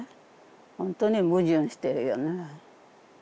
ほんとに矛盾してるよね。